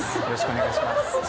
よろしくお願いします。